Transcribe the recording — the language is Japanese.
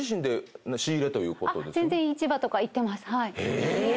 え！